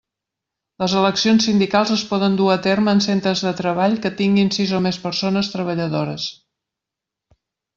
Les eleccions sindicals es poden dur a terme en centres de treball que tinguin sis o més persones treballadores.